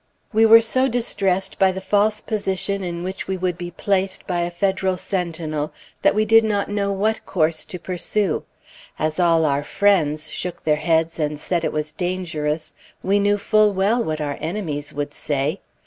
We were so distressed by the false position in which we would be placed by a Federal sentinel, that we did not know what course to pursue. As all our friends shook their heads and said it was dangerous, we knew full well what our enemies would say.